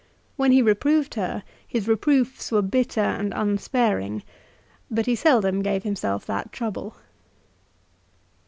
When he reproved her, his reproofs were bitter and unsparing; but he seldom gave himself that trouble.